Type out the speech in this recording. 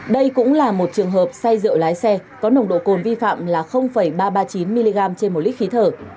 đây cũng là một trường hợp say rượu lái xe có nồng độ cồn vi phạm là ba trăm ba mươi chín mg trên một lít khí thở